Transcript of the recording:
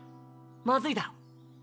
まずいだろ？